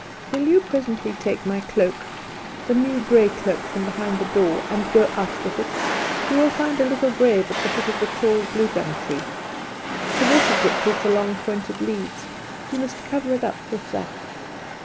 "Will you presently take my cloak and new grey cloak from behind the door and go out with it. You will find a little grave at the foot of the tall gum tree; the water drips off the long, pointed leaves; you must cover it up with that."